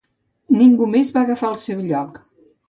Ningú més va agafar el seu lloc.